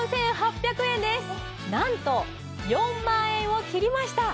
なんと４万円を切りました。